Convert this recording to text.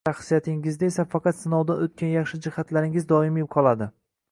Shaxsiyatingizda esa faqat sinovdan o’tgan yaxshi jihatlaringiz doimiy qoladi